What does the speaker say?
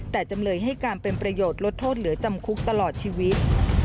แต่จำเลยให้การเป็นประโยชน์ลดโทษเหลือจำคุกตลอดชีวิต